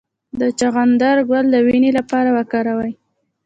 د چغندر ګل د وینې لپاره وکاروئ